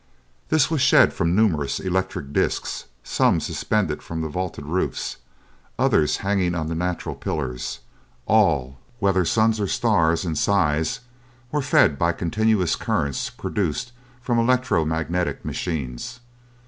This was shed from numbers of electric discs; some suspended from the vaulted roofs, others hanging on the natural pillars—all, whether suns or stars in size, were fed by continuous currents produced from electro magnetic machines.